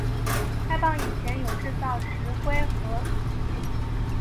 开埠以前有制造石灰与瓷器。